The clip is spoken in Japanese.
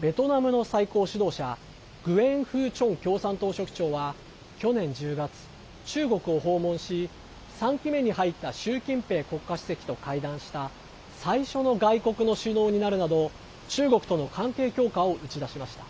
ベトナムの最高指導者グエン・フー・チョン共産党書記長は去年１０月、中国を訪問し３期目に入った習近平国家主席と会談した最初の外国の首脳になるなど中国との関係強化を打ち出しました。